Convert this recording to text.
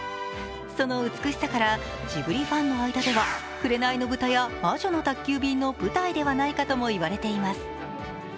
その美しさからジブリファンの間では「紅の豚」や「魔女の宅急便」の舞台ではないかとも言われています。